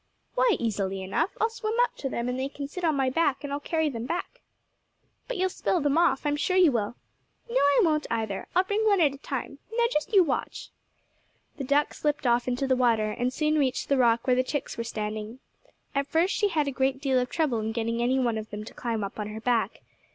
"Why, easily enough. I'll swim out to them, and they can sit on my back, and I'll carry them back." "But you'll spill them off. I'm sure you will." "No I won't either. I'll bring one at a time. Now just you watch." The duck slipped off into the water, and soon reached the rock where the chicks were standing. At first she had a great deal of trouble in getting any one of them to climb up on her back.